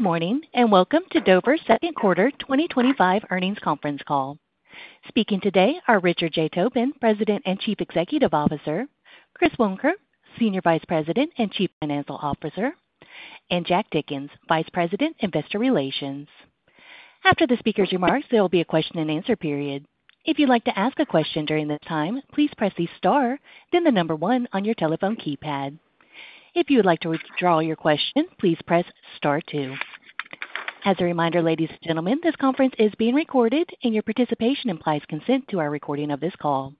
Good morning and welcome to Dover second quarter 2025 earnings conference call. Speaking today are Richard J. Tobin, President and Chief Executive Officer, Chris Woenker, Senior Vice President and Chief Financial Officer, and Jack Dickens, Vice President, Investor Relations. After the speakers' remarks, there will be a question and answer period. If you'd like to ask a question during this time, please press the star, then the number one on your telephone keypad. If you would like to withdraw your question, please press star 2. As a reminder, ladies and gentlemen, this conference is being recorded and your participation implies consent to our recording of this call.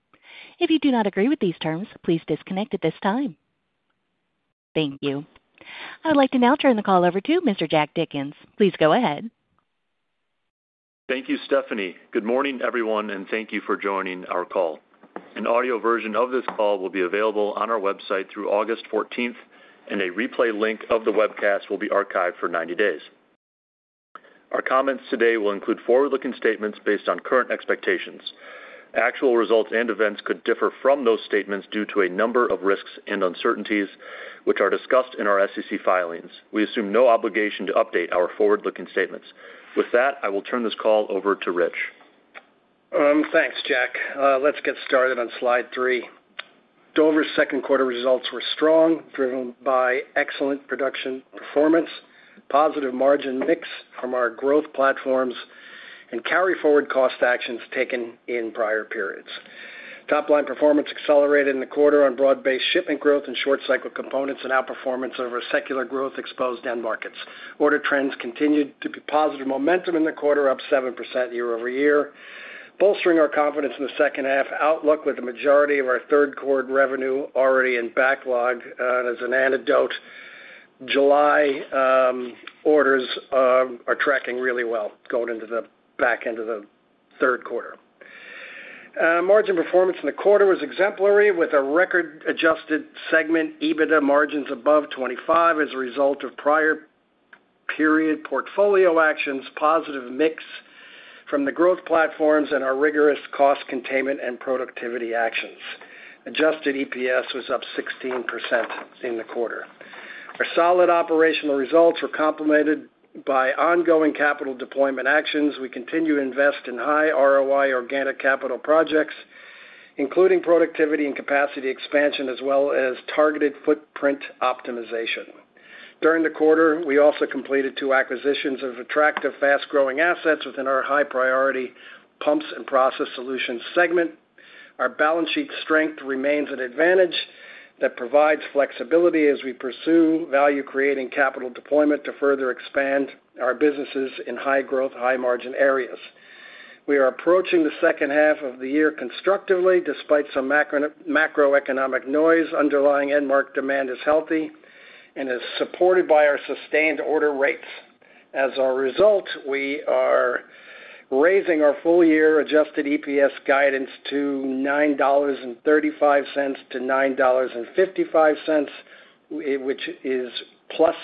If you do not agree with these terms, please disconnect at this time. Thank you. I would like to now turn the call over to Mr. Jack Dickens. Please go ahead. Thank you. Stephanie, good morning everyone and thank you for joining our call. An audio version of this call will be available on our website through August 14th and a replay link of the webcast will be archived for 90 days. Our comments today will include forward-looking statements based on current expectations. Actual results and events could differ from those statements due to a number of risks and uncertainties which are discussed in our SEC filings. We assume no obligation to update our forward-looking statements. With that, I will turn this call over to Rich. Thanks Jack. Let's get started on slide three. Dover's 2nd quarter results were strong, driven by excellent production performance, positive margin mix from our growth platforms, and carry forward cost actions taken in prior periods. Top line performance accelerated in the quarter on broad based shipment growth in short cycle components and outperformance over secular growth exposed end markets. Order trends continued to be positive momentum in the quarter, up 7% year-over-year, bolstering our confidence in the second half outlook, with the majority of our third quarter revenue already in backlog. As an anecdote, July orders are tracking really well going into the back end of the third quarter. Margin performance in the quarter was exemplary, with a record adjusted segment EBITDA margins above 25% as a result of prior period portfolio actions, positive mix from the growth platforms, and our rigorous cost containment and productivity actions. Adjusted EPS was up 16% in the quarter. Our solid operational results were complemented by ongoing capital deployment actions. We continue to invest in high ROI organic capital projects, including productivity and capacity expansion, as well as targeted footprint optimization. During the quarter, we also completed two acquisitions of attractive, fast growing assets within our high priority Pumps & Process Solutions segment. Our balance sheet strength remains an advantage that provides flexibility as we pursue value creating capital deployment to further expand our businesses in high growth, high margin areas. We are approaching the second half of the year constructively, despite some macroeconomic noise. Underlying end market demand is healthy and is supported by our sustained order rates. As a result, we are raising our full year adjusted EPS guidance to $9.35-$9.55, which is +14%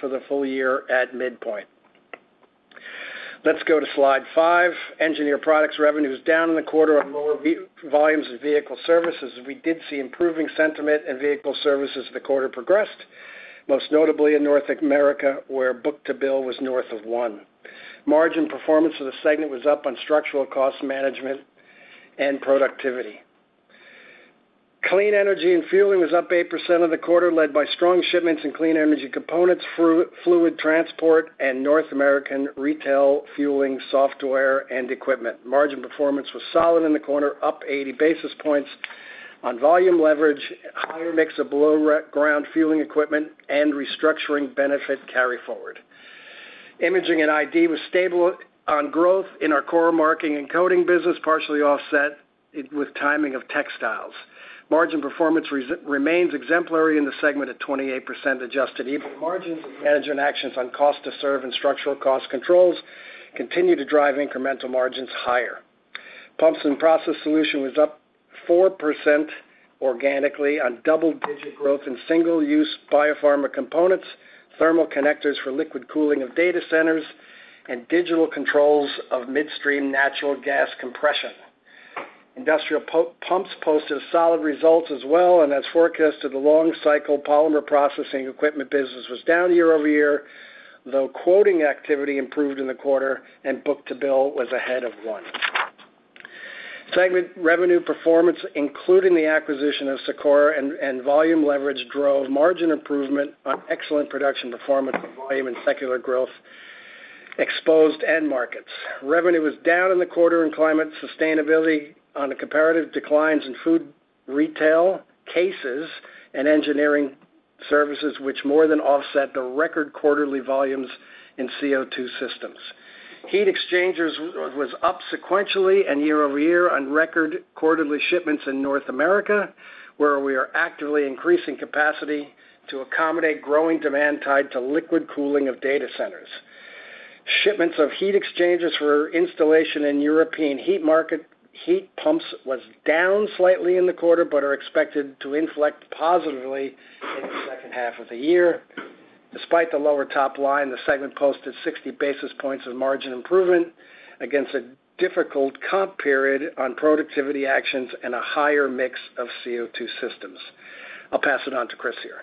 for the full year at midpoint. Let's go to slide five. Engineered Products revenue was down in the quarter on lower volumes of vehicle services. We did see improving sentiment in vehicle services as the quarter progressed, most notably in North America where book-to-bill was north of 1. Margin performance for the segment was up on structural cost management and productivity. Clean Energy & Fueling was up 8% in the quarter, led by strong shipments in clean energy components, fluid transport, and North American retail fueling software and equipment. Margin performance was solid in the quarter, up 80 basis points on volume leverage, higher mix of below ground fueling equipment, and restructuring benefit carry forward. Imaging & ID was stable on growth in our core marking and coating business, partially offset with timing of textiles. Margin performance remains exemplary in the segment at 28% adjusted EBITDA margin. Management actions on cost to serve and structural cost controls continue to drive incremental margins higher. Pumps & Process Solutions was up 4% organically on double digit growth in single use biopharma components, thermal connectors for liquid cooling of data centers, and digital controls of midstream natural gas compression. Industrial pumps posted solid results as well and as forecasted the long cycle polymer processing equipment business was down year-over-year though quoting activity improved in the quarter and book-to-bill was ahead of one segment. Revenue performance including the acquisition of SIKORA and volume leverage drove margin improvement on excellent production performance. Volume and secular growth exposed end markets. Revenue was down in the quarter in climate sustainability on the comparative declines in food retail cases and engineering services which more than offset the record quarterly volumes in CO2 systems. Heat exchangers was up sequentially and year-over-year on record quarterly shipments in North America where we are actively increasing capacity to accommodate growing demand tied to liquid cooling of data centers. Shipments of heat exchangers for installation in European heat market heat pumps was down slightly in the quarter but are expected to inflect positively in the 2nd half of the year. Despite the lower top line, the segment posted 60 basis points of margin improvement against a difficult comp period on productivity actions and a higher mix of CO2 systems. I'll pass it on to Chris here.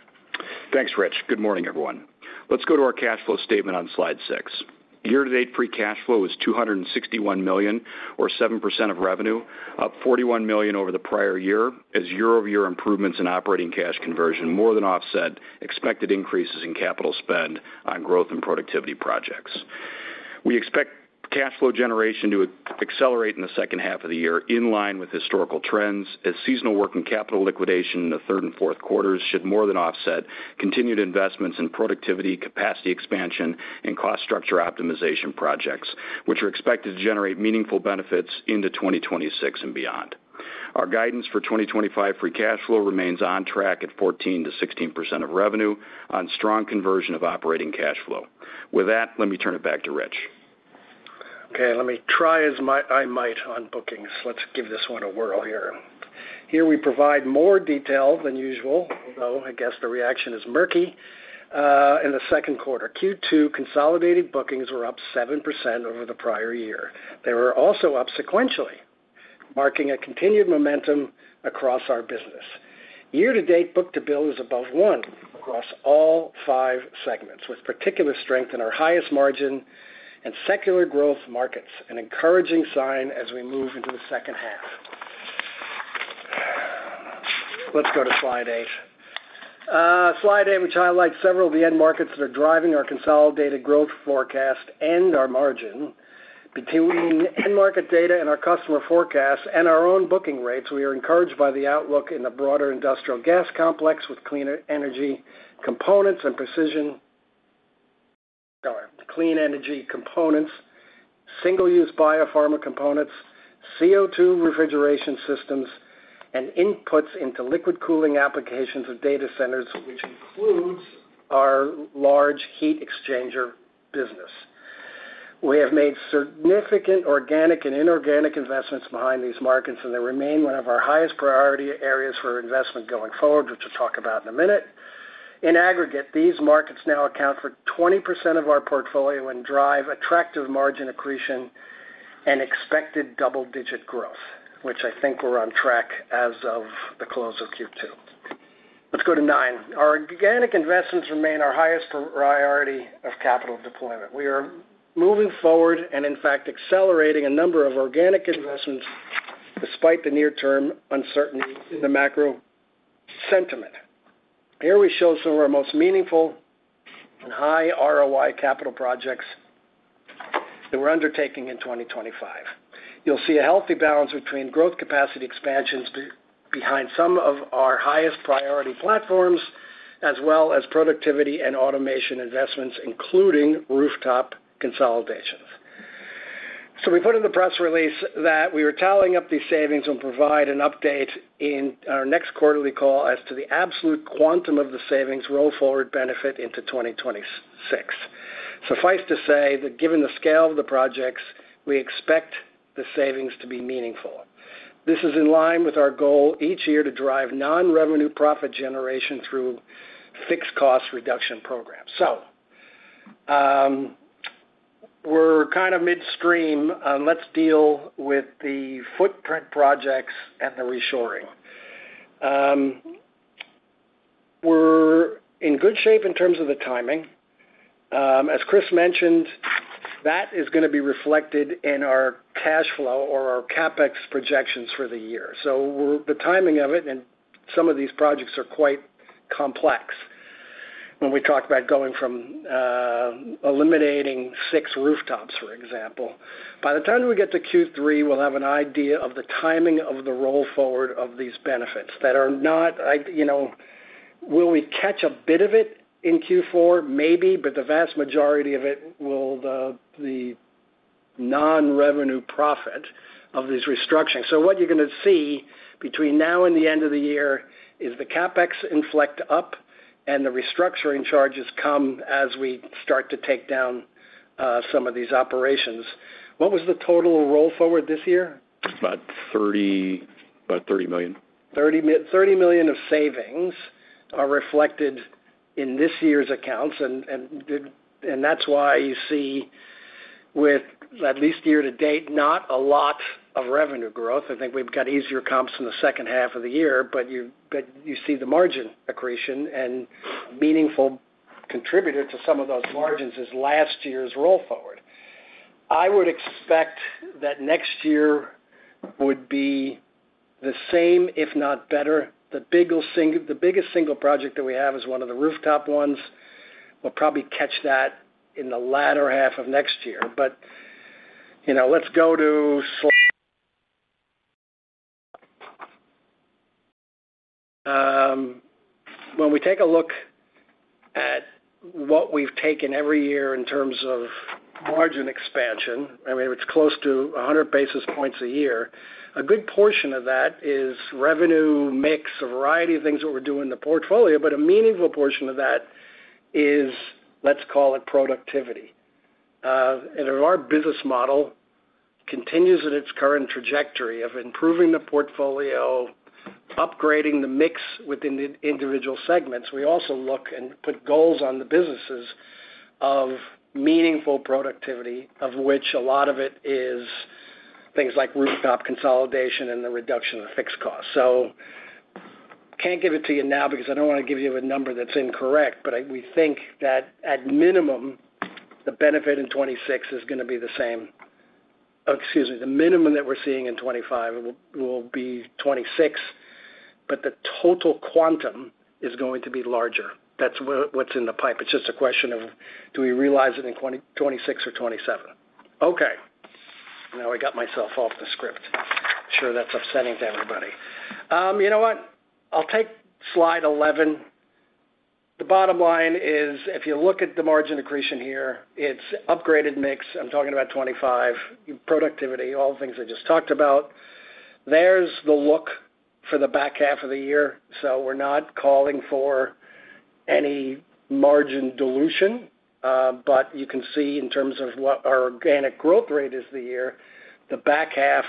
Thanks Rich. Good morning everyone. Let's go to our cash flow statement on Slide 6. Year-to-date, free cash flow is $261 million or 7% of revenue, up $41 million over the prior year, as year-over-year improvements in operating cash conversion more than offset expected increases in capital spend on growth and productivity projects. We expect cash flow generation to accelerate in the second half of the year, in line with historical trends, as seasonal working capital liquidation in the third and fourth quarters should more than offset continued investments in productivity, capacity expansion and cost structure optimization projects, which are expected to generate meaningful benefits into 2026 and beyond. Our guidance for 2025 free cash flow remains on track at 14%-16% of revenue on strong conversion of operating cash flow. With that, let me turn it back. To Rich, okay, let me try as I might on bookings. Let's give this one a whirl here. Here we provide more detail than usual, although I guess the reaction is murky. In the 2nd quarter, Q2 consolidated bookings were up 7% over the prior year. They were also up sequentially, marking a continued momentum across our business. Year-to-date, book-to-bill is above 1 across all five segments, with particular strength in our highest margin and secular growth markets, an encouraging sign as we move into the second half. Let's go to slide 8, slide 8, which highlights several of the end markets that are driving our consolidated growth forecast and our margin. Between end market data and our customer forecasts and our own booking rates, we are encouraged by the outlook in the broader industrial gas complex with cleaner energy components and precision clean energy components, single-use biopharma components, CO2 refrigeration systems, and inputs into liquid cooling applications of data centers, which includes our large heat exchanger business. We have made significant organic and inorganic investments behind these markets, and they remain one of our highest priority areas for investment going forward, which we'll talk about in a minute. In aggregate, these markets now account for 20% of our portfolio and drive attractive margin accretion and expected double-digit growth, which I think we're on track as of the close of Q2. Let's go to 9. Our organic investments remain our highest priority of capital deployment. We are moving forward and in fact accelerating a number of organic investments despite the near-term uncertainty. The macro sentiment, here we show some of our most meaningful and high ROI capital projects that we're undertaking in 2025. You'll see a healthy balance between growth capacity expansions behind some of our highest priority platforms as well as productivity and automation investments, including rooftop consolidations. We put in the press release that we are tallying up these savings and will provide an update in our next quarterly call as to the absolute quantum of the savings roll forward benefit into 2026. Suffice to say that given the scale of the projects, we expect the savings to be meaningful. This is in line with our goal each year to drive non-revenue profit generation through fixed cost reduction programs. So. We're kind of midstream. Let's deal with the footprint projects and the reshoring. We're in good shape in terms of the timing as Chris mentioned, that is going to be reflected in our cash flow or our CapEx projections for the year. The timing of it and some of these projects are quite complex. When we talk about going from eliminating six rooftops for example, by the time we get to Q3, we'll have an idea of the timing of the roll forward of these benefits that are not, you know, will we catch a bit of it in Q4? Maybe, but the vast majority of it will be the non-revenue profit of these restructuring. What you're going to see between now and the end of the year is the CapEx inflect up and the restructuring charges come as we start to take down some of these operations. What was the total roll forward this year? About $30 million. $30 million of savings are reflected in this year's accounts. That is why you see with at least year-to-date, not a lot of revenue growth. I think we have got easier comps in the second half of the year. You see the margin accretion and meaningful contributor to some of those margins is last year's roll forward. I would expect that next year would be the same, if not better. The biggest single project that we have is one of the rooftop ones. We will probably catch that in the latter half of next year. Let us go to slide. When we take a look at what we have taken every year in terms of margin expansion, it is close to 100 basis points a year. A good portion of that is revenue mix. A variety of things that we are doing in the portfolio, but a meaningful portion of that is, let us call it productivity. If our business model continues in its current trajectory of improving the portfolio, upgrading the mix within individual segments, we also look and put goals on the businesses of meaningful productivity of which a lot of it is things like rooftop consolidation and the reduction of fixed costs. I cannot give it to you now because I do not want to give you a number that is incorrect, but we think that at minimum the benefit in 2026 is going to be the same. Excuse me, the minimum that we are seeing in 2025 will be 2026, but the total quantum is going to be larger. That is what is in the pipe. It is just a question of do we realize it in 2026 or 2027. Okay, now I got myself off the script. Sure, that is upsetting to everybody. You know what, I will take slide 11. The bottom line is if you look at the margin accretion here, it is upgraded mix. I am talking about 2025 productivity, all the things I just talked about. There is the look for the back half of the year. We are not calling for any margin dilution, but you can see in terms of what our organic growth rate is the year, the back half,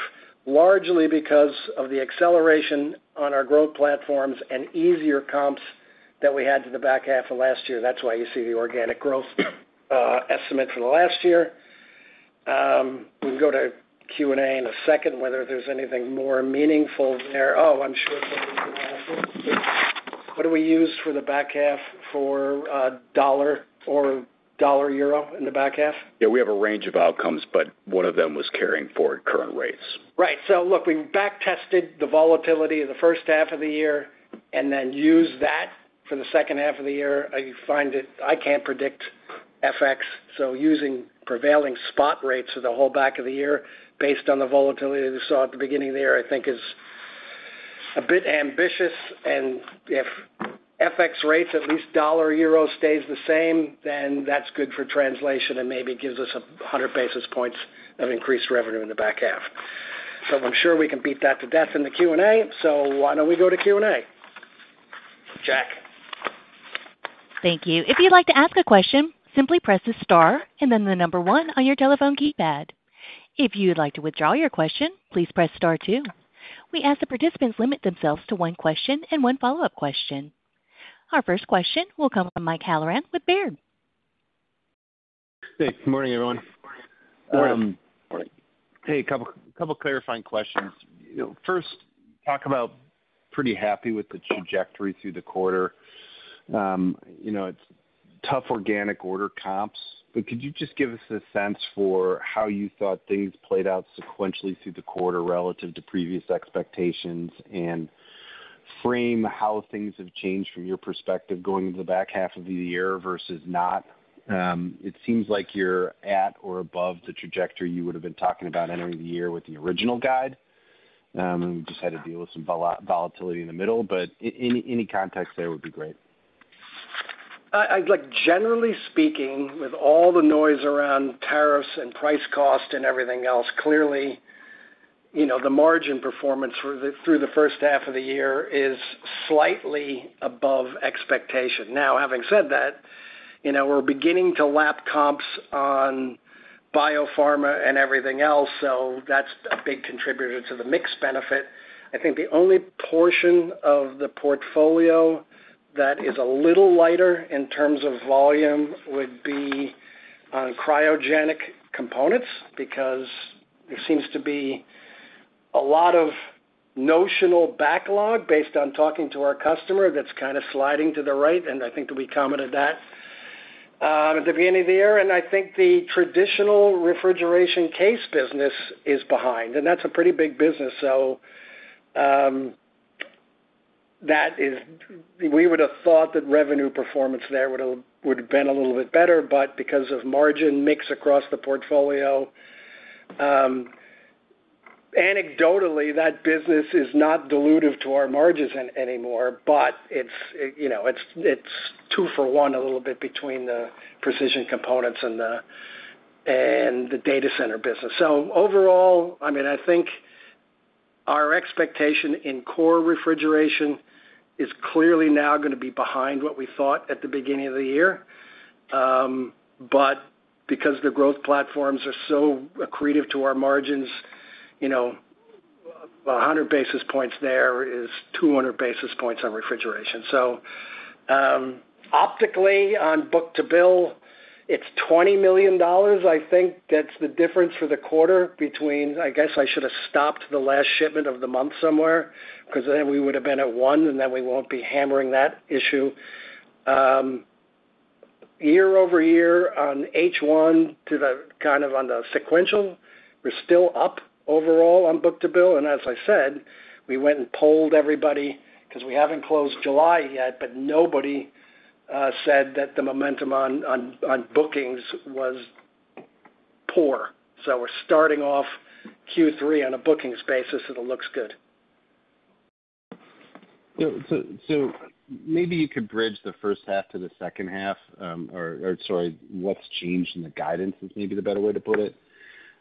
largely because of the acceleration on our growth platforms and easier comps that we had to the back half of last year. That is why you see the organic growth estimate for the last year. We can go to Q&A in a second whether there is anything more meaningful there. Oh, I am sure. What do we use for the back half for dollar or dollar-euro in the back half? Yeah, we have a range of outcomes, but one of them was carrying forward current rates. Right. So look, we back tested the volatility of the 1st half of the year and then used that for the 2nd half of the year. I find that I can't predict FX. Using prevailing spot rates for the whole back of the year based on the volatility we saw at the beginning there, I think is a bit ambitious. If FX rates, at least dollar euro, stays the same, then that's good for translation and maybe gives us 100 basis points of increased revenue in the back half. I'm sure we can beat that to death in the Q and A. Why don't we go to Q and A, Jack? Thank you. If you'd like to ask a question, simply press the star and then the number one on your telephone keypad. If you would like to withdraw your question, please press star two. We ask the participants limit themselves to one question and one follow up question. Our first question will come from Mike Halloran with Baird. Hey, good morning everyone. Hey. A couple clarifying questions. First, talk about pretty happy with the trajectory through the quarter. You know, it's tough organic order comps. Could you just give us a. Sense for how you thought things played out sequentially through the quarter relative to previous expectations and frame how things have changed from your perspective going into the back half of the year versus not. It seems like you're at or above the trajectory you would have been talking about entering the year with the original guide. We just had to deal with some volatility in the middle. Any context there would be great. Generally speaking, with all the noise around tariffs and price, cost and everything else, clearly the margin performance through the first half of the year is slightly above expectation. Now, having said that, we're beginning to lap comps on biopharma and everything else. So that's a big contributor to the mix benefit. I think the only portion of the portfolio that is a little lighter in terms of volume would be on cryogenic components because there seems to be a lot of notional backlog based on talking to our customer that's kind of sliding to the right. I think that we commented that at the beginning of the year and I think the traditional refrigeration case business is behind and that's a pretty big business. That is, we would have thought that revenue performance there would have been, would have been a little bit better. But because of margin mix across the portfolio, anecdotally that business is not dilutive to our margins anymore, but it's two for one, a little bit between the precision components and the data center business. Overall, I mean, I think our expectation in core refrigeration is clearly now going to be behind what we thought at the beginning of the year. Because the growth platforms are so accretive to our margins, you know, 100 basis points, there is 200 basis points on refrigeration. Optically on book-to-bill, it's $20 million. I think that's the difference for the quarter between. I guess I should have stopped the last shipment of the month somewhere because then we would have been at one and then we won't be hammering that issue year-over-year on H1 to the kind of on the sequential, we're still up overall on book-to-bill. As I said, we went and polled everybody because we haven't closed July yet. Nobody said that the momentum on bookings was poor. We're starting off Q3 on a bookings basis. It looks good. Maybe you could bridge the first half to the 2nd half or, sorry, what's changed in the guidance is maybe the better way to put it.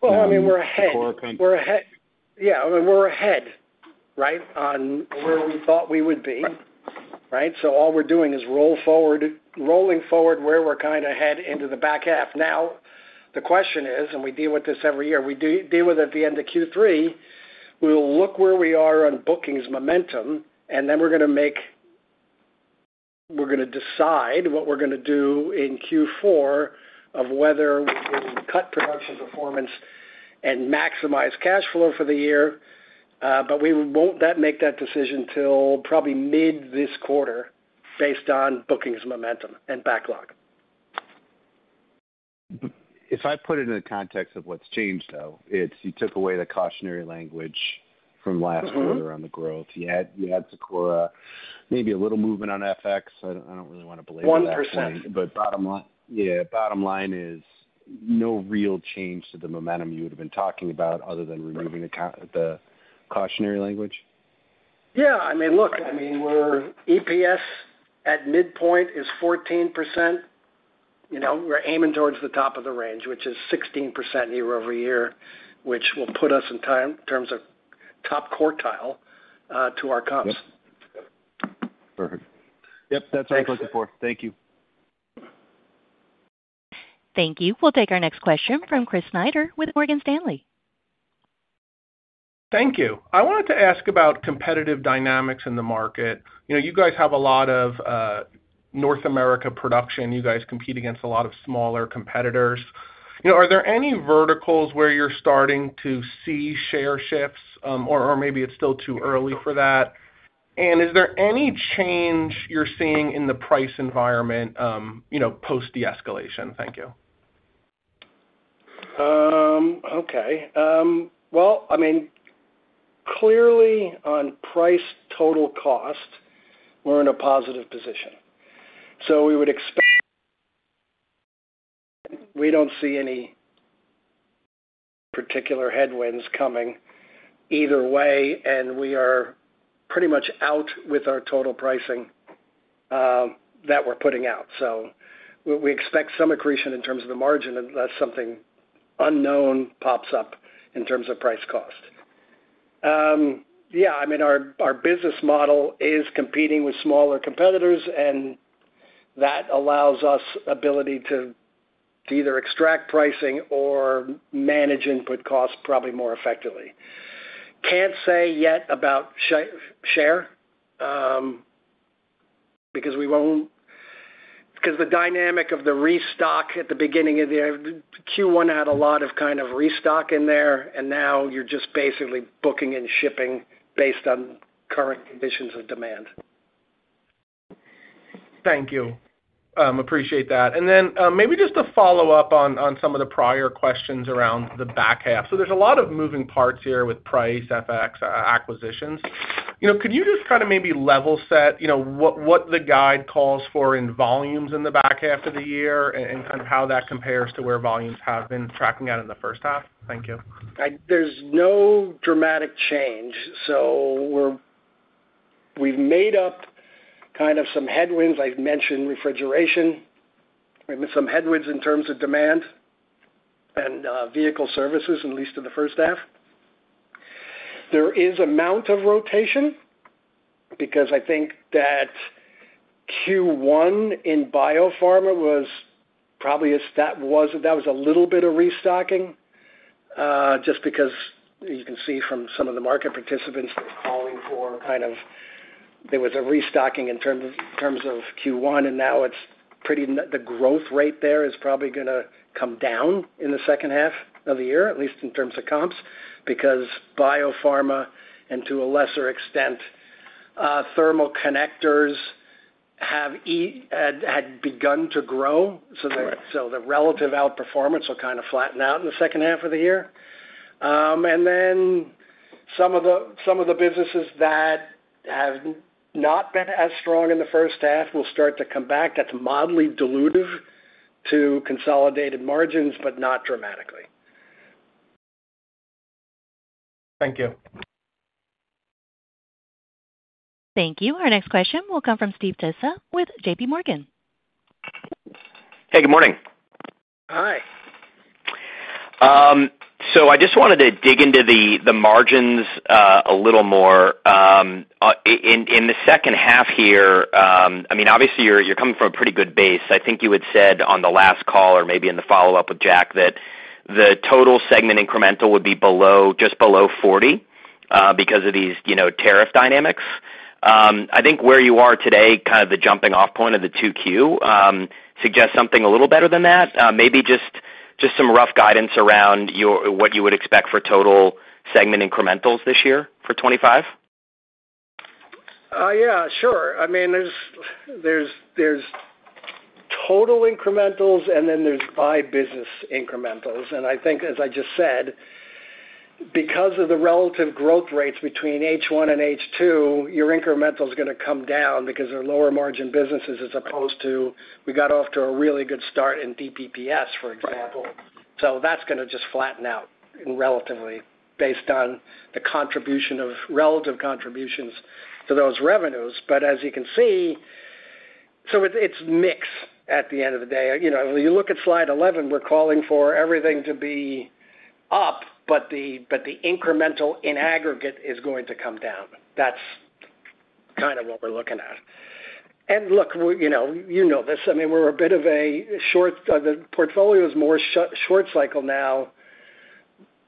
I mean, we're ahead. Yeah, we're ahead right on where we thought we would be. Right. All we're doing is rolling forward where we're kind of head into the back half. Now the question is, and we deal with this every year, we deal with at the end of Q3, we will look where we are on bookings, momentum and then we're going to make, we're going to decide what we're going to do in Q4 of whether we cut production performance and maximize cash flow for the year. We won't make that decision until probably mid this quarter based on bookings, momentum and backlog. If I put it in the context of what's changed though, it's you took away the cautionary language from last quarter on the growth, yet you had SIKORA maybe a little movement on FX. I don't really want to blame 1%, but bottom line. Yeah, bottom line is no real change to the momentum you would have been talking about other than removing the cautionary language. Yeah, I mean, look, I mean our EPS at midpoint is 14%. We're aiming towards the top of the range, which is 16% year-over-year, which will put us in terms of top quartile to our comps. Perfect. Yep. That's our question for. Thank you. Thank you. We'll take our next question from Chris Snyder with Morgan Stanley. Thank you. I wanted to ask about competitive dynamics in the market. You guys have a lot of North America production. You guys compete against a lot of smaller competitors. Are there any verticals where you're starting to see share shifts or maybe it's still too early for that? Is there any change you're seeing? In the price environment post de-escalation? Thank you. Okay. I mean clearly on price, total cost, we're in a positive position, so we would expect we don't see any particular headwinds coming either way. We are pretty much out with our total pricing that we're putting out. We expect some accretion in terms of the margin unless something unknown pops up in terms of price cost. Yeah, I mean our business model is competing with smaller competitors and that allows us ability to either extract pricing or manage input costs probably more effectively. Can't say yet about share because we won't because the dynamic of the restock at the beginning of the Q1 had a lot of kind of restock in there and now you're just basically booking and shipping based on current conditions of demand. Thank you, appreciate that. Maybe just a follow up on some of the prior questions around the back half. There's a lot of moving parts. Here with price, FX, acquisitions. Could you just kind of maybe level. Set what the guide calls for in. Volumes in the back half of the year and kind of how that compares to where volumes have been tracking out. In the 1st half. Thank you. There's no dramatic change. We've made up kind of some headwinds. I mentioned refrigeration, some headwinds in terms of demand and vehicle services. At least in the first half there is amount of rotation because I think that Q1 in biopharma was probably. That was a little bit of restocking just because you can see from some of the market participants calling for kind of there was a restocking in terms of Q1 and now it's pretty. The growth rate there is probably going to come down in the second half of the year, at least in terms of comps because biopharma and to a lesser extent thermal connectors have begun to grow. The relative outperformance will kind of flatten out in the second half of the year and then some of the businesses that have not been as strong in the 1st half will start to come back. That's mildly dilutive to consolidated margins, but not dramatically. Thank you. Thank you. Our next question will come from Steve Tusa with JPMorgan. Hey, good morning. Hi. I just wanted to dig into the margins a little more in the second half here. I mean obviously you're coming from a pretty good base. I think you had said on the last call or maybe in the follow up with Jack that the total segment incremental would be just below 40% because of these tariff dynamics. I think where you are today, kind of the jumping off point of the 2Q suggests something a little better than that. Maybe just some rough guidance around what you would expect for total segment incrementals. This year for 2025. Yeah, sure. I mean there's total incrementals and then there's by business incrementals. I think as I just said, because of the relative growth rates between H1 and H2, your incremental is going to come down because they're lower margin businesses as opposed to we got off to a really good start in DPPS for example. That's going to just flatten out relatively based on the contribution of relative contributions to those revenues. As you can see, it's mix at the end of the day, you know, you look at slide 11, we're calling for everything to be up. The incremental in aggregate is going to come down. That's kind of what we're looking at. Look, you know, you know this, I mean we're a bit of a short, the portfolio is more short cycle now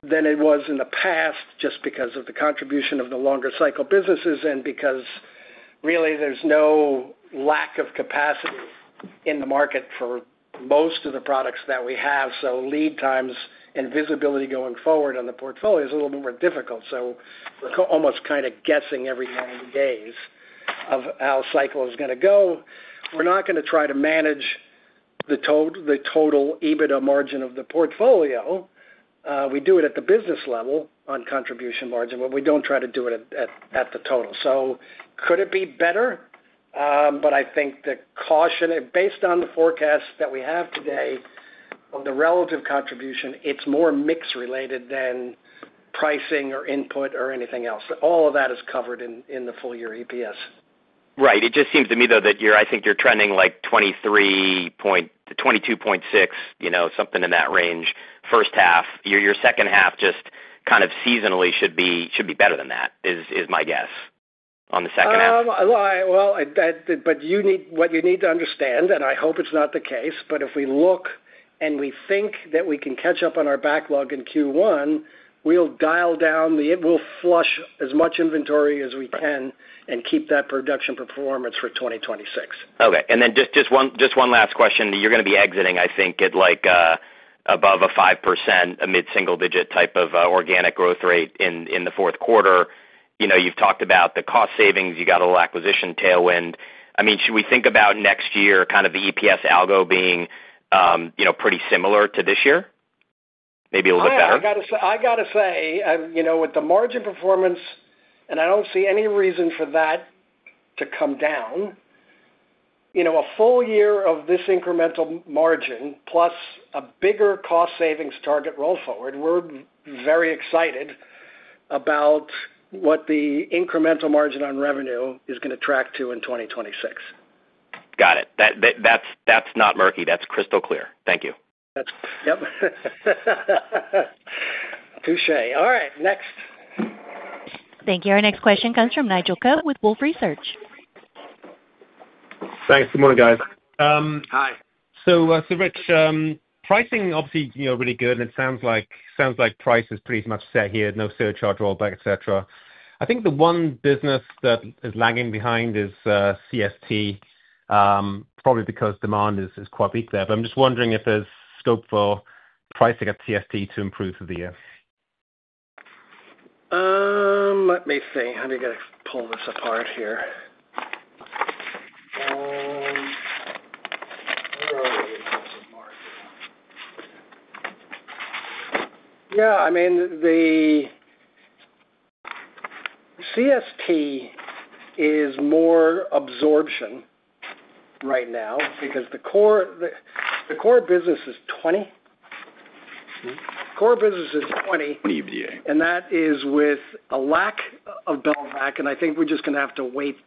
than it was in the past just because of the contribution of the longer cycle businesses and because really there's no lack of capacity in the market for most of the products that we have. Lead times and visibility going forward on the portfolio is a little bit more difficult. We're almost kind of guessing every 90 days of how cycle is going to go. We're not going to try to manage the total EBITDA margin of the portfolio. We do it at the business level on contribution margin but we don't try to do it at the total. Could it be better? I think the caution based on the forecast that we have today on the relative contribution, it's more mix related than pricing or input or anything else. All of that is covered in the full year EPS. Right. It just seems to me though that I think you're trending like 23 point, 22.6 something in that range. 1st half year, 2nd half just kind of seasonally should be better than that is my guess on the 2nd half. You need what you need to understand and I hope it's not the case. If we look and we think that we can catch up on our backlog in Q1, we'll dial down, we'll flush as much inventory as we can and keep that production performance for 2026. Okay. Just one last question. You're going to be exiting, I think, at like above a 5%, a mid-single-digit type of organic growth rate in the fourth quarter. You've talked about the cost savings. You got a little acquisition tailwind. I mean, should we think about next year kind of the EPS algo being pretty similar to this year, maybe a little bit better. I got to say with the margin performance and I do not see any reason for that to come down. A full year of this incremental margin plus a bigger cost savings target roll forward. We are very excited about what the incremental margin on revenue is going to track to in 2026. Got it. That's not murky, that's crystal clear. Thank you. Touche all right, next. Thank you. Our next question comes from Nigel Coe with Wolfe Research. Thanks. Good morning, guys. Hi. Rich, pricing obviously really good and it sounds like price is pretty much set here. No surcharge, rollback, etc. I think the one business that is lagging behind is CST, probably because demand is quite weak there. I am just wondering if there is scope for pricing at CST to improve for the year. Let me see, how do we get to pull this apart here. Yeah, I mean the CSP is more absorption right now because the core business is 20. Core business is 20. That is with a lack of Belvac. I think we're just going to have to wait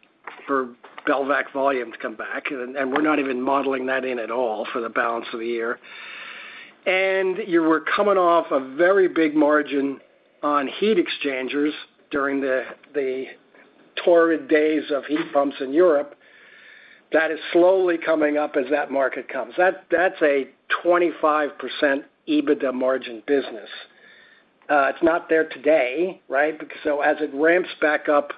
for Belvac volume to come back. We're not even modeling that in at all for the balance of the year. You were coming off a very big margin on heat exchangers during the torrid days of heat pumps in Europe. That is slowly coming up as that market comes. That's a 25% EBITDA margin business. It's not there today. Right. As it ramps back up,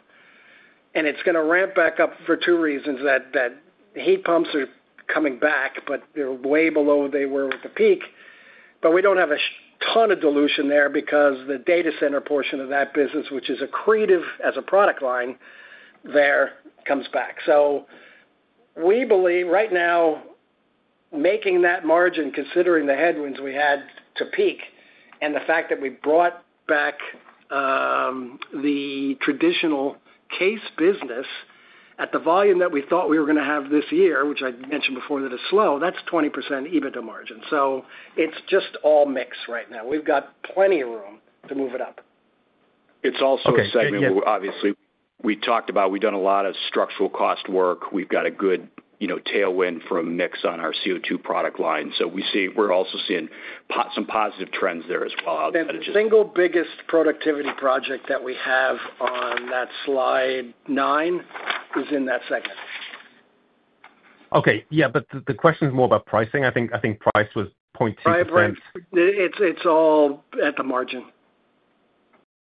and it's going to ramp back up for two reasons, that heat pumps are coming back but they're way below where they were with the peak. We don't have a ton of dilution there because the data center portion of that business, which is accretive as a product line there, comes back. We believe right now making that margin, considering the headwinds we had to peak and the fact that we brought back the traditional case business at the volume that we thought we were going to have this year, which I mentioned before, that it's slow, that's 20% EBITDA margin. It's just all mix right now. We've got plenty of room to move it up. It's also a segment obviously we talked about. We've done a lot of structural cost work. We've got a good, you know, tailwind for a mix on our CO2 product line. So we see we're also seeing some positive trends there as well. The single biggest productivity project that we have on that slide nine is in that segment. Okay. Yeah. The question is more about pricing, I think. I think price was 0.2%. It's all at the margin.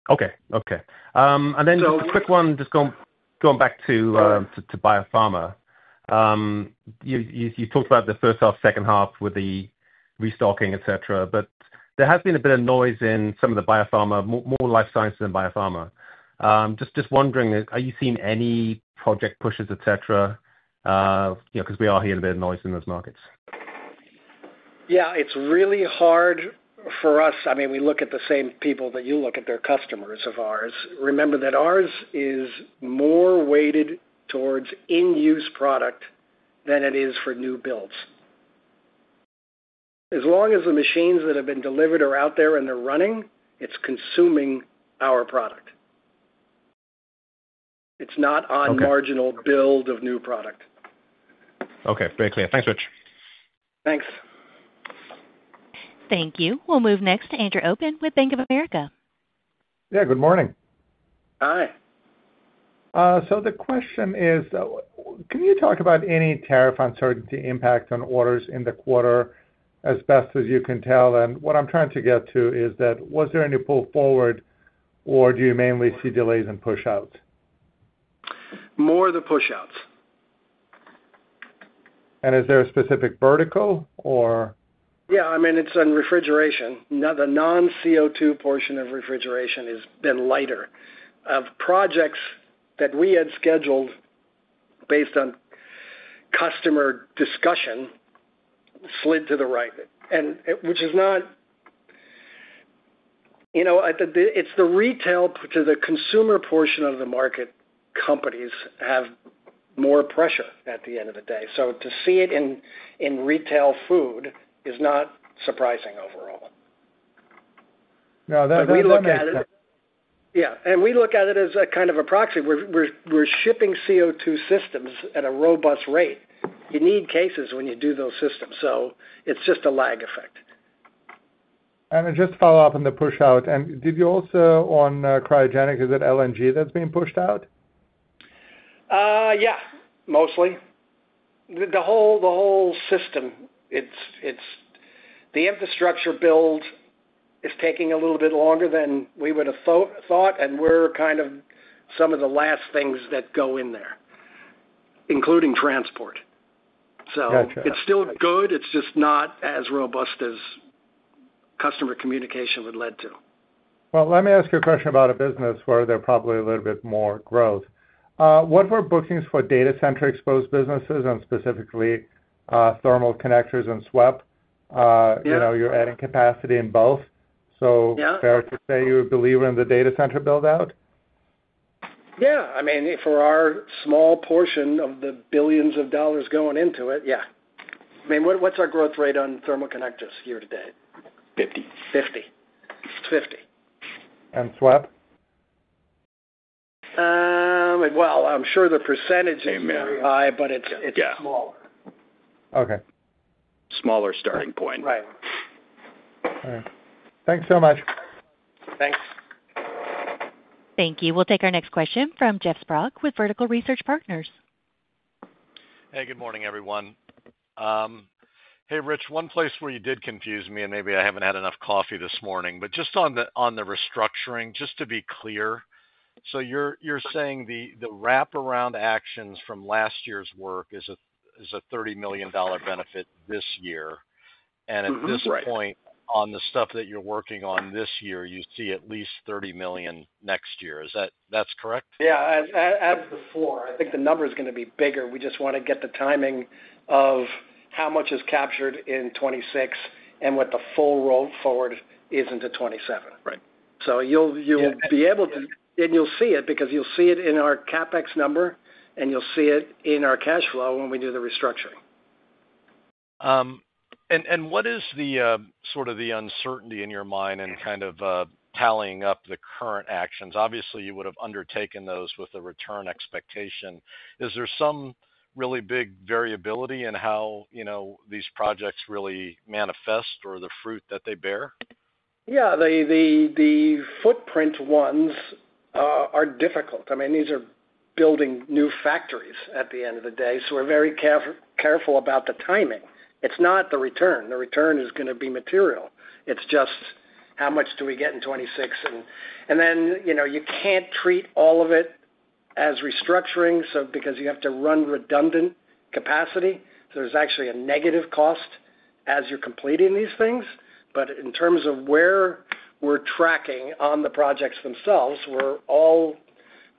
Okay, okay. A quick one. Just going back to Biopharma. You talked about the first half, 2nd half with the restocking, etc. There has been a bit of noise in some of the biopharma, more life science than biopharma. Just wondering, are you seeing any project pushes, etc. Because we are hearing a bit of noise in those markets. Yeah, it's really hard for us. I mean we look at the same people that you look at, they're customers of ours. Remember that ours is more weighted towards in-use product than it is for new builds. As long as the machines that have been delivered are out there and they're running, it's consuming our product. It's not on marginal build of new product. Okay. Very clear. Thanks, Rich. Thanks. Thank you. We'll move next to Andrew Obin with Bank of America. Yeah. Good morning. Hi. The question is, can you talk about any tariff uncertainty impact on orders in the quarter? As best as you can tell. What I'm trying to get to is that was there any pull forward or do you mainly see delays in pushouts? More than pushouts. Is there a specific vertical? Yeah, I mean it's on refrigeration. Now, the non-CO2 portion of refrigeration has been lighter. Projects that we had scheduled based on customer discussion slid to the right, which is not, you know, it's the retail to the consumer portion of the market. Companies have more pressure at the end of the day. To see it in retail food is not surprising overall. We look at it as a kind of a proxy. We're shipping CO2 systems at a robust rate. You need cases when you do those systems. It's just a lag effect. Just to follow up on the push out. Did you also, on cryogenics, is it LNG that's being pushed out? Yeah, mostly the whole, the whole system. It's, it's the infrastructure build is taking a little bit longer than we would have thought and we're kind of some of the last things that go in there, including transport. It is still good. It is just not as robust as customer communication would lead to. Let me ask you a question about a business where there's probably a little bit more growth. What were bookings for data center exposed businesses and specifically thermal connectors and SWEP? You're adding capacity in both. So fair to say you're a believer in the data center build-out? Yeah. I mean for our small portion of the billions of dollars going into it. Yeah. What's our growth rate on thermal connectors year to date? 50. 50. And SWEP? I'm sure the percentage is very high, but it's smaller. Okay. Smaller starting point. Right. Thanks so much. Thanks. Thank you. We'll take our next question from Jeff Sprague with Vertical Research Partners. Hey, good morning, everyone. Hey, Rich. One place where you did confuse me and maybe I haven't had enough coffee this morning, but just on the restructuring, just to be clear, so you're saying the wraparound actions from last year's work is a $30 million benefit this year and at this point on the stuff that you're working on this year, you see at least $30 million next year, is that. That's correct? Yeah, I think the number is going to be bigger. We just want to get the timing of how much is captured in 2026 and with the full roll forward, is it in 2027. Right. You'll be able to. You'll see it because you'll see it in our CapEx number and you'll see it in our cash flow when we do the restructuring. What is the sort of the uncertainty in your mind and kind of tallying up the current actions? Obviously you would have undertaken those with a return expectation. Is there some really big variability in how, you know, these projects really manifest or the fruit that they bear? Yeah, the footprint ones are difficult. I mean these are building new factories at the end of the day. We're very careful about the timing. It's not the return, the return is going to be material, it's just how much do we get in 2026. You know, you can't treat all of it as restructuring because you have to run redundant capacity. There's actually a negative cost as you're completing these things. In terms of where we're tracking on the projects themselves, we're all,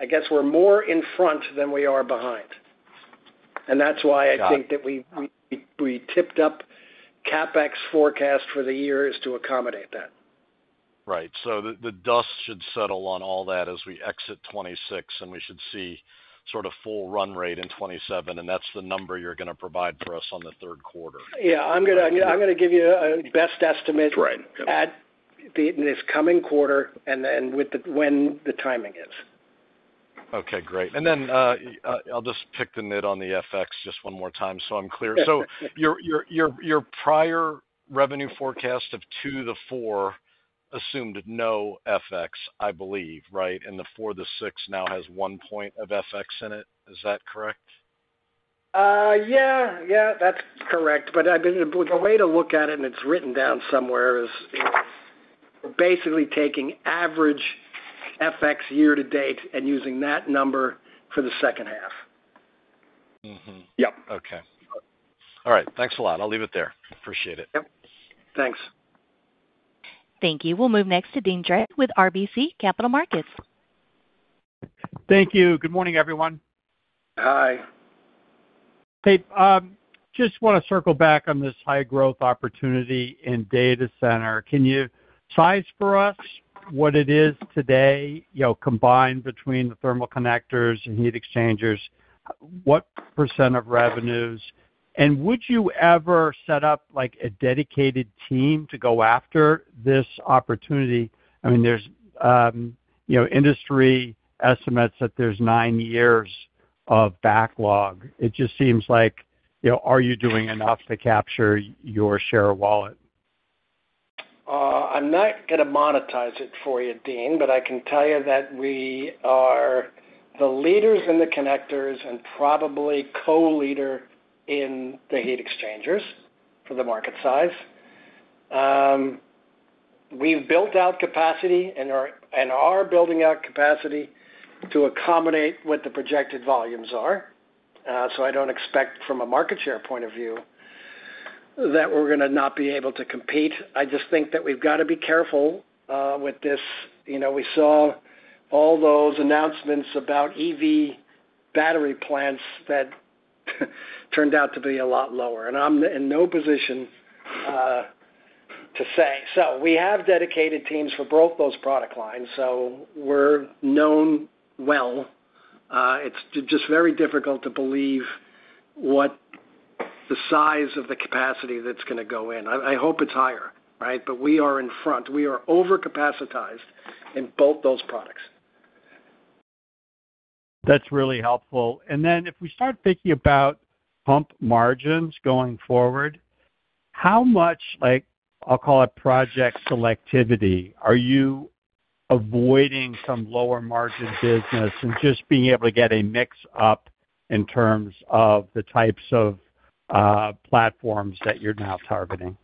I guess we're more in front than we are behind and that's why I think that we tipped up CapEx forecast for the year is to accommodate that. Right. The dust should settle on all that as we exit 2026 and we should see sort of full run rate in 2027. That's the number you're going to provide for us on the 3rd quarter? Yeah, I'm going to give you best estimate at this coming quarter and then when the timing is. Okay, great. I'll just pick the knit on the FX just one more time so I'm clear. Your prior revenue forecast of 2%-4% assumed no FX, I believe. Right? The 4%-6% now has 1 point of FX in it, is that correct? Yeah, yeah, that's correct. The way to look at it, and it's written down somewhere, is basically taking average FX year-to-date and using that number for the second half. Yep. Okay. All right, thanks a lot. I'll leave it there. Appreciate it, thanks. Thank you. We'll move next to Deane Dray with RBC Capital Markets. Thank you. Good morning everyone. Hi. Hey, just want to circle back on this high growth opportunity in data center. Can you size for us what it is. Is today combined between the thermal connectors and heat exchangers? What percent of revenues and would you ever set up like a dedicated team to go after this opportunity? I mean, there's, you know, industry estimates that there's nine years of backlog. It just seems like, you know, are you doing enough to capture your share of wallet? I'm not going to monetize it for you, Deane, but I can tell you that we are the leaders in the connectors and probably co-leader in the heat exchangers for the market size. We've built out capacity and are building out capacity to accommodate what the projected volumes are. I don't expect from a market share point of view that we're going to not be able to compete. I just think that we've got to be careful with this. You know, we saw all those announcements about EV battery plants that turned out to be a lot lower and I'm in no position to say. We have dedicated teams for both those product lines, so we're known. It's just very difficult to believe what the size of the capacity that's going to go in. I hope it's higher. Right. We are in front, we are over-capacitized in both those products. That's really helpful. If we start thinking about pump margins going forward, how much, like, I'll call it project selectivity, are you avoiding some lower margin business and just being able to get a mix up in terms of the types of platforms that you're now targeting?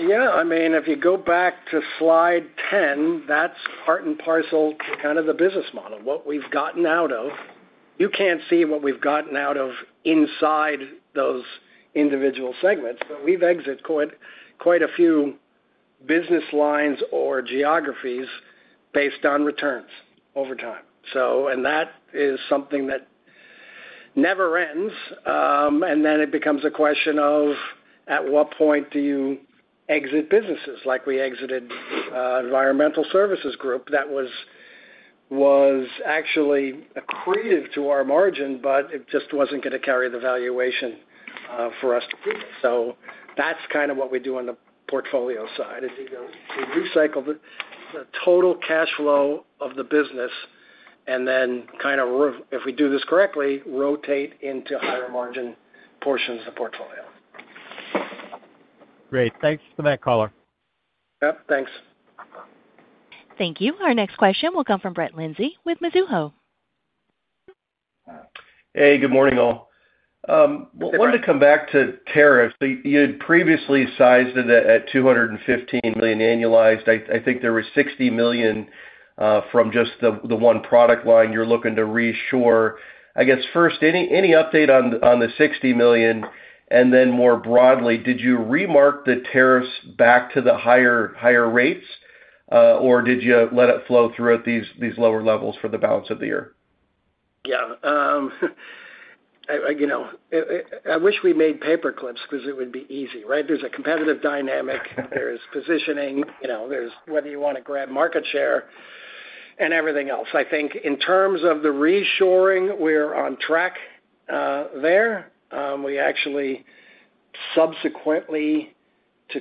Yeah, I mean if you go back to Slide 10, that's part and parcel kind of the business model. What we've gotten out of, you can't see what we've gotten out of inside those individual segments. We've exited quite a few business lines or geographies based on returns over time. That is something that never ends. It becomes a question of at what point do you exit businesses like we exited Environmental Services Group. That was actually accretive to our margin, but it just wasn't going to carry the valuation for us to treat it. That's kind of what we do on the portfolio side. We recycle the total cash flow of the business and then, if we do this correctly, rotate into higher margin portions of the portfolio. Great. Thanks for that color. Thanks. Thank you. Our next question will come from Brett Linzey with Mizuho. Hey, good morning. All right, I wanted to come back to tariffs. You had previously sized it at $215 million annualized. I think there was $60 million from just the one product line you're looking to reshore, I guess first, any update on the $60 million and then more broadly, did you remark the tariffs back to the higher rates or did you let it flow throughout these lower levels for the balance of the year? Yeah, you know, I wish we made paperclips because it would be easy. Right. There's a competitive dynamic, there's positioning, you know, there's whether you want to grab market share and everything else. I think in terms of the reshoring, we're on track there. We actually subsequently to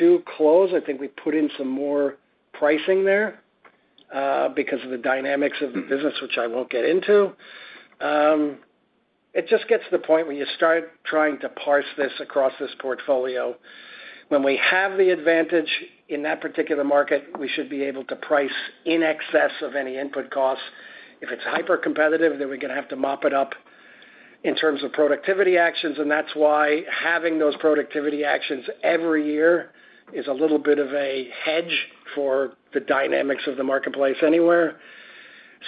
Q2 closed, I think we put in some more pricing there because of the dynamics of the business, which I won't get into. It just gets to the point where you start trying to parse this across this portfolio. When we have the advantage in that particular market, we should be able to price in excess of any input costs. If it's hyper competitive, then we're going to have to mop it up in terms of productivity actions. That is why having those productivity actions every year is a little bit of a hedge for the dynamics of the marketplace anywhere.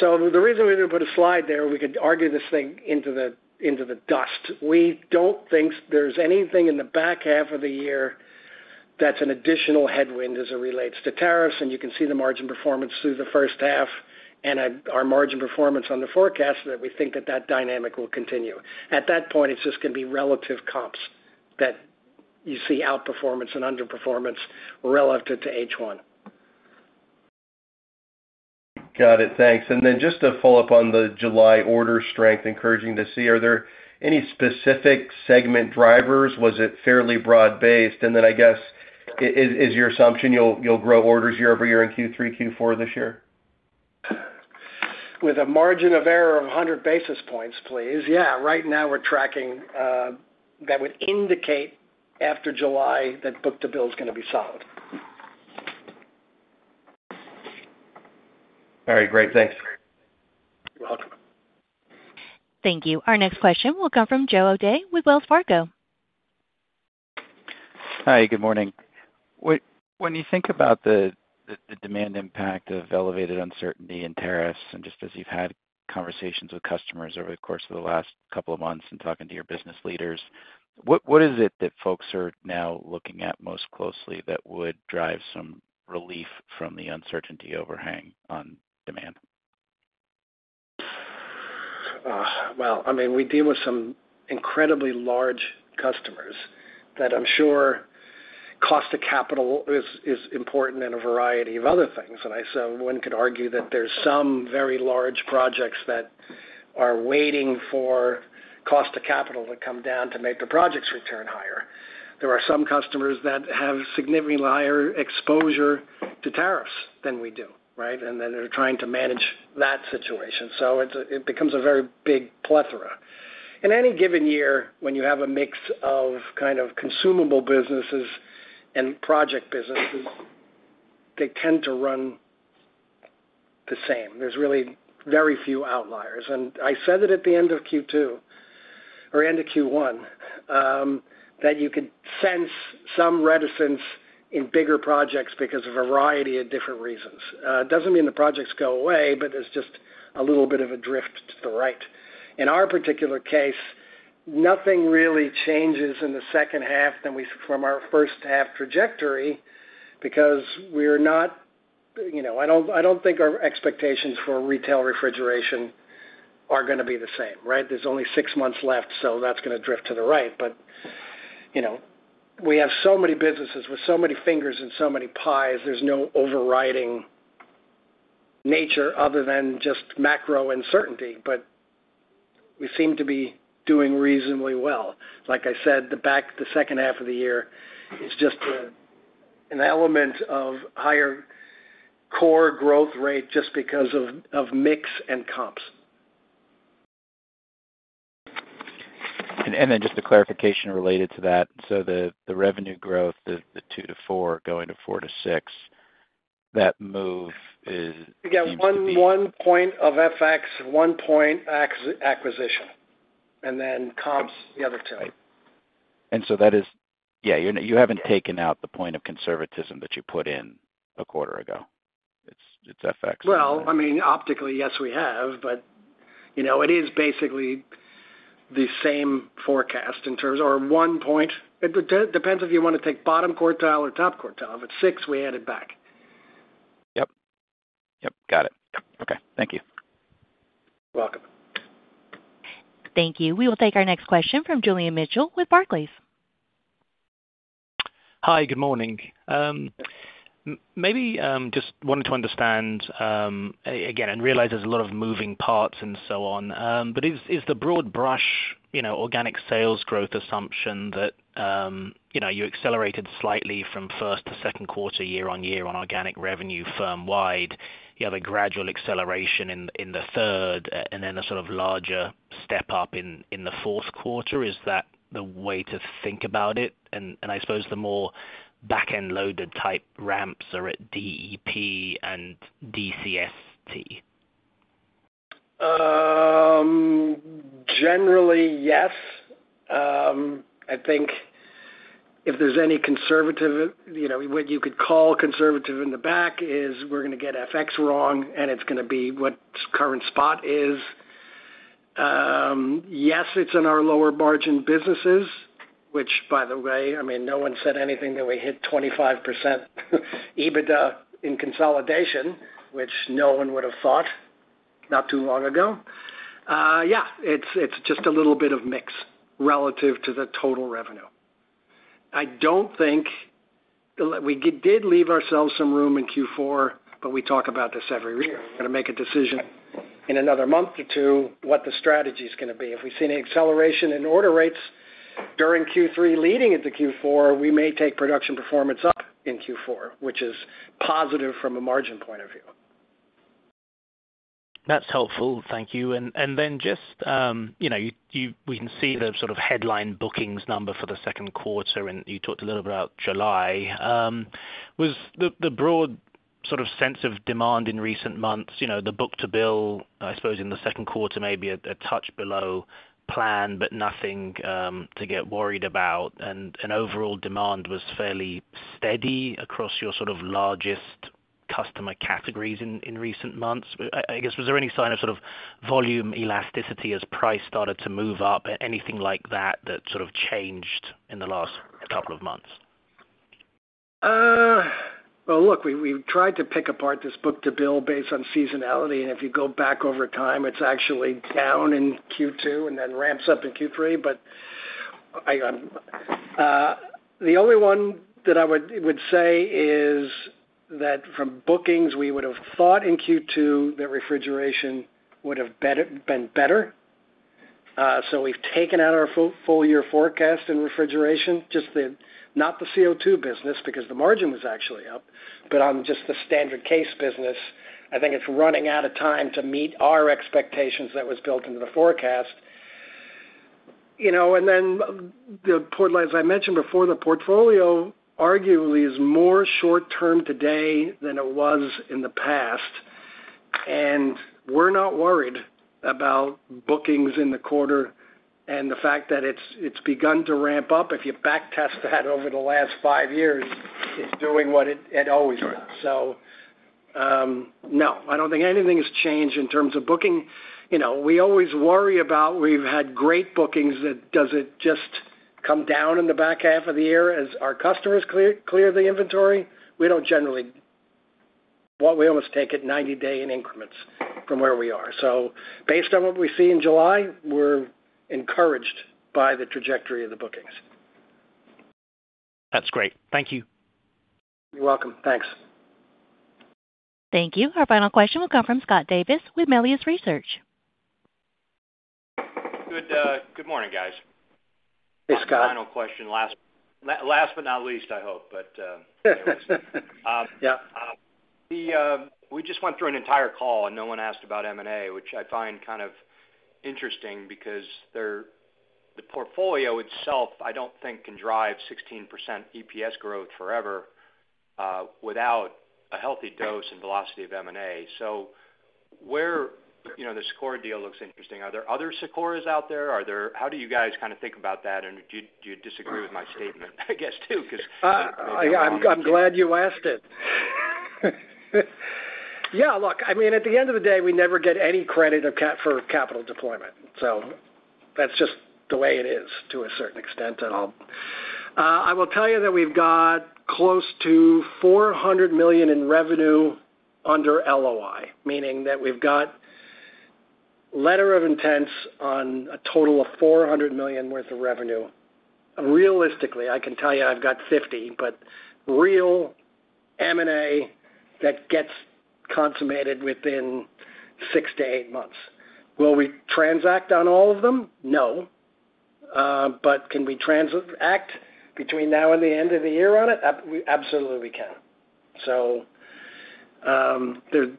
The reason we didn't put a slide there, we could argue this thing into the, into the dust. We don't think there's anything in the back half of the year that's an additional headwind as it relates to tariffs. You can see the margin performance through the first half and our margin performance on the forecast that we think that that dynamic will continue. At that point, it's just going to be relative comps that you see outperformance and underperformance relative to H1. Got it, thanks. Just to follow up on the July order strength, encouraging to see. Are there any specific segment drivers? Was it fairly broad based? I guess is your assumption you'll grow orders year-over-year in Q3, Q4 this year. With a margin of error of 100 basis points, please. Yeah, right now we're tracking. That would indicate after July that book-to-bill is going to be solid. All right, great. Thanks. You're welcome. Thank you. Our next question will come from Joe O’Dea with Wells Fargo. Hi, good morning. When you think about the demand impact of elevated uncertainty and tariffs, and just as you've had conversations with customers over the course of the last couple of months and talking to your business leaders, what is it that folks are now looking at most closely that would drive some relief from the uncertainty overhang on demand? I mean we deal with some incredibly large customers that I'm sure cost of capital is important in a variety of other things. And so one could argue that there's some very large projects that are waiting for cost of capital to come down to make the projects return higher. There are some customers that have significantly higher exposure to tariffs than we do. Right. They are trying to manage that situation. It becomes a very big plethora. In any given year when you have a mix of kind of consumable businesses and project businesses, they tend to run the same. There are really very few outliers. I said that at the end of Q2 or end of Q1, that you could sense some reticence in bigger projects because of a variety of different reasons. It does not mean the projects go away, but there is just a little bit of a drift to the right. In our particular case, nothing really changes in the second half from our first half trajectory because we are not, you know, I do not think our expectations for retail refrigeration are going to be the same. Right. There's only six months left, so that's going to drift to the right. But you know, we have so many businesses with so many fingers and so many pies. There's no overriding nature other than just macro uncertainty. But we seem to be doing reasonably well. Like I said, the 2nd half of the year is just an element of higher core growth rate just because of mix and comps. Just a clarification related to that. The revenue growth, the 2%-4% going to 4%-6%, that. Move is you get one point of FX, one point acquisition, and then comps the other two. That is. Yeah, you have not taken out the point of conservatism that you put in a quarter ago. It is FX. I mean, optically yes we have, but you know, it is basically the same forecast in terms or one point. It depends if you want to take bottom quartile or top quartile. If it's six, we add it back. Yep, yep, got it. Okay. Thank you. You're welcome. Thank you. We will take our next question from Julian Mitchell with Barclays. Hi, good morning. Maybe just wanted to understand again and realize there's a lot of moving parts and so on, but is the broad brush, you know, organic sales growth assumption that, you know, you accelerated slightly from first to 2nd quarter year-on-year on organic revenue firm wide, you have a gradual acceleration in the third and then a sort of larger step up in the fourth quarter. Is that the way to think about it? And I suppose the more back-end loaded type ramps are at DEP and DCST? Generally, yes. I think if there's any conservative, you know, what you could call conservative in the back is we're going to get FX wrong and it's going to be what current spot is. Yes, it's in our lower margin businesses, which, by the way, I mean, no one said anything that we hit 25% EBITDA in consolidation, which no one would have thought not too long ago. Yeah, it's just a little bit of mix relative to the total revenue. I don't think we did leave ourselves some room in Q4, but we talk about this every year. We're going to make a decision in another month or two what the strategy is going to be. If we see any acceleration in order rates during Q3 leading into Q4, we may take production performance up in Q4, which is positive from a margin point of view. That's helpful, thank you. You know, we can see the sort of headline bookings number for the second quarter and you talked a little about July. What was the broad sort of sense of demand in recent months? You know, the book-to-bill, I suppose in the 2nd quarter, maybe a touch below plan, but nothing to get worried about. Overall demand was fairly steady across your sort of largest customer categories in recent months, I guess. Was there any sign of sort of volume elasticity as price started to move up, anything like that, that sort of changed in the last couple of months? Look, we tried to pick apart this book-to-bill based on seasonality and if you go back over time, it is actually down in Q2 and then ramps up in Q3. The only one that I would say is that from bookings, we would have thought in Q2 that refrigeration would have been better. We have taken out our full year forecast in refrigeration, just not the CO2 business because the margin was actually up. On just the standard case business, I think it is running out of time to meet our expectations. That was built into the forecast. As I mentioned before, the portfolio arguably is more short term today than it was in the past. We are not worried about bookings in the quarter and the fact that it has begun to ramp up. If you back test that over the last five years, it is doing what it always does. No, I do not think anything has changed in terms of booking. You know, we always worry about we have had great bookings that does it just come down in the back half of the year as our customers clear the inventory? We do not generally, we almost take it 90 day in increments from where we are. Based on what we see in July, we are encouraged by the trajectory of the bookings. That's great. Thank you. You're welcome. Thanks. Thank you. Our final question will come from Scott Davis with Melius Research. Good morning, guys. Hey, Scott. Final question. Last but not least, I hope. We just went through an entire call, and no one asked about M&A, which I find kind of interesting because the portfolio itself I do not think can drive 16% EPS growth forever without a healthy dose and velocity of M&A. Where, you know, the SIKORA deal looks interesting? Are there other SIKORAs out there? How do you guys kind of think about that? Do you disagree with my statement? I guess too, because I'm glad you asked it. Yeah, look, I mean, at the end of the day we never get any credit for capital deployment. That's just the way it is to a certain extent. I will tell you that we've got close to $400 million in revenue under LOI, meaning that we've got letters of intent on a total of $400 million worth of revenue. Realistically I can tell you I've got $50 million. But real M&A that gets consummated within six to eight months. Will we transact on all of them? No, but can we transact between now and the end of the year on it? Absolutely we can.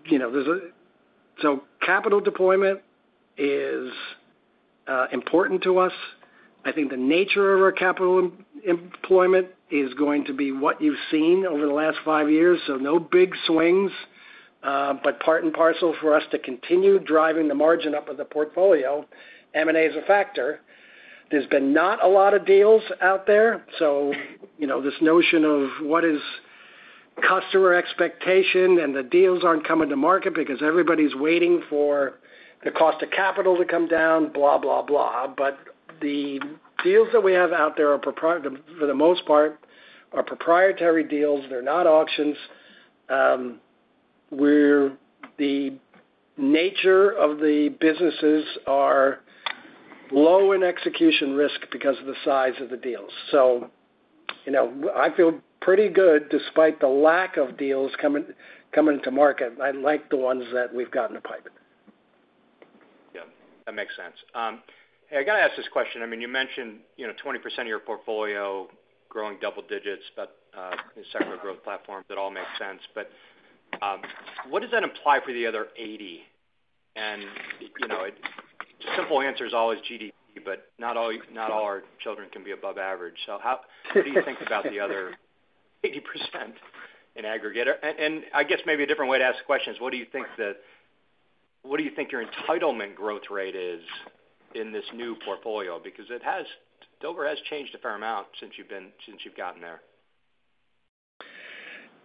You know, capital deployment is important to us. I think the nature of our capital employment is going to be what you've seen over the last five years. No big swings, but part and parcel for us to continue driving the margin up of the portfolio. M&A is a factor. There's been not a lot of deals out there. This notion of what is customer expectation and the deals aren't coming to market because everybody's waiting for the cost of capital to come down, blah, blah, blah. The deals that we have out there for the most part are proprietary deals. They're not auctions where the nature of the businesses are low in execution risk because of the size of the deals. I feel pretty good, despite the lack of deals coming to market. I like the ones that we've got in the pipe. Yeah, that makes sense. Hey, I got to ask this question. I mean you mentioned 20% of your portfolio, growing double digits, sector growth platform. That all makes sense. What does that imply for the other 80%? The simple answer is always GDP. Not all our children can be above average. What do you think about the. Other 80% in aggregate and I guess maybe a different way to ask questions. What do you think that, what do you think your entitlement growth rate is in this new portfolio? Because it has, Dover has changed a fair amount since you've been, since you've gotten there.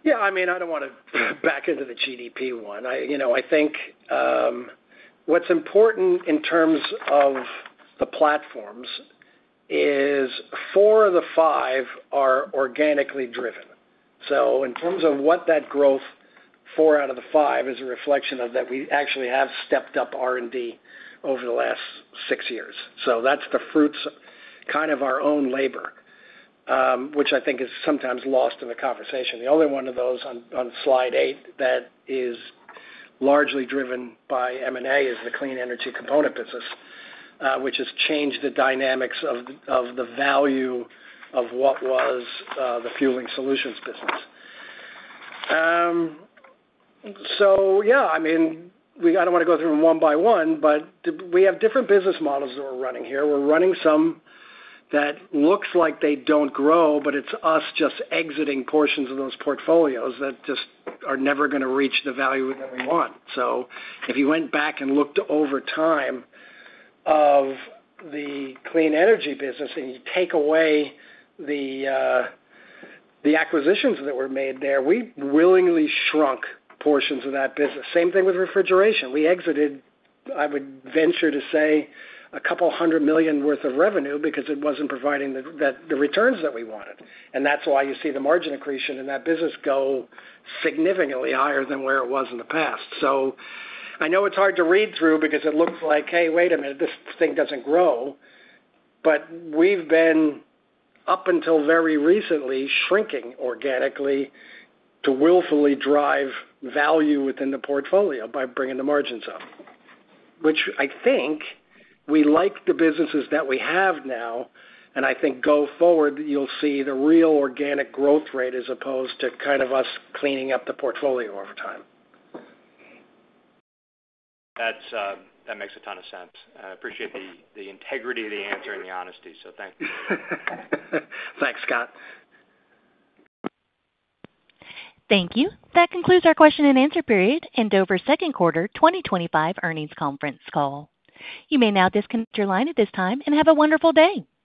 Yeah, I mean, I don't want to back into the GDP one. I think what's important in terms of the platform is four of the five are organically driven. So in terms of what that growth, four out of the five is a reflection of that. We actually have stepped up R&D over the last six years. So that's the fruits kind of our own labor, which I think is sometimes lost in the conversation. The only one of those on slide eight that is largely driven by M&A is the clean energy component business, which has changed the dynamics of the value of what was the fueling solutions business. Yeah, I mean, I don't want to go through them one by one, but we have different business models that we're running here. We're running some that look like they don't grow, but it's us just exiting portions of those portfolios that just are never going to reach the value that we want. If you went back and looked over time at the clean energy business and you take away the acquisitions that were made there, we willingly shrunk portions of that business. Same thing with refrigeration. We exited, I would venture to say, a couple hundred million worth of revenue because it wasn't providing the returns that we wanted. That's why you see the margin increase in that business go significantly higher than where it was in the past. I know it's hard to read through because it looks like, hey, wait a minute, this thing doesn't grow. We've been up until very recently shrinking organically to willfully drive value within the portfolio by bringing the margins up, which I think we like, the businesses that we have now and I think go forward you'll see the real organic growth rate as opposed to kind of us cleaning up the portfolio over time. That makes a ton of sense. I appreciate the integrity of the answer and the honesty, so thank you. Thanks, Scott. Thank you. That concludes our question-and-answer period and Dover second quarter 2025 earnings conference call. You may now disconnect your line at this time and have a wonderful day.